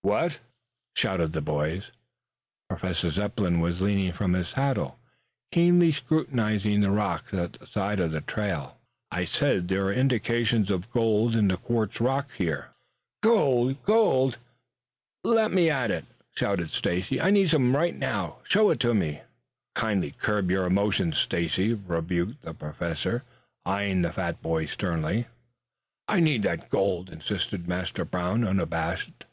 "What?" shouted the boys. Professor Zepplin was leaning from his saddle, keenly scrutinizing the rocks at the side of the trail. "I said, there are indications of gold in the quartz rock here " "Gold! Gold! Lead me to it," shouted Stacy. "I need some right now. Show it to me!" "Kindly curb your emotions, Stacy," rebuked the Professor, eyeing the fat boy sternly. "I need that gold," insisted Master Brown, unabashed.